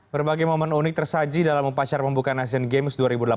berbagai momen unik tersaji dalam upacara pembukaan asian games dua ribu delapan belas